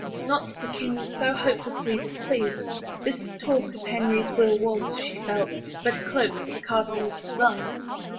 Not that the king was so hopelessly displeased; this talk of Henry's will was, she felt, but a cloak for the cardinal's designs.